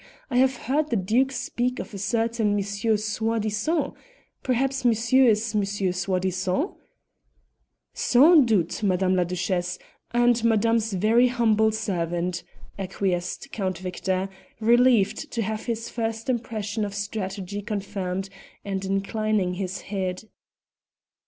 I have heard the Duke speak of a certain M. Soi disant! perhaps monsieur is Monsieur Soi disant?" "Sans doute, Madame la Duchesse, and madame's very humble servant," acquiesced Count Victor, relieved to have his first impression of strategy confirmed, and inclining his head.